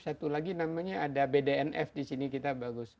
satu lagi namanya ada bdnf disini kita bagus